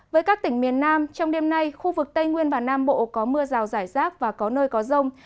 với các tỉnh miền nam trong đêm nay khu vực tây nguyên và nam bộ có mưa rào rải rác và có nơi có rông